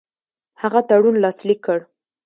هغه تړون لاسلیک کړ.